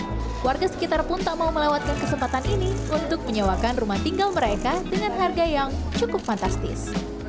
keluarga sekitar pun tak mau melewatkan kesempatan ini untuk menyewakan rumah tinggal mereka dengan harga yang cukup fantastis